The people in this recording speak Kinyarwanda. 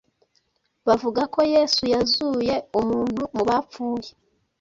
Bavuga ko Yesu yazuye umuntu mu bapfuye.